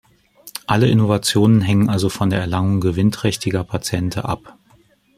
Alle Innovationen hängen also von der Erlangung gewinnträchtiger Patente ab.